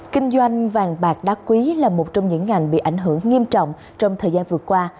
kinh doanh vàng bạc đá quý là một trong những ngành bị ảnh hưởng nghiêm trọng trong thời gian vừa qua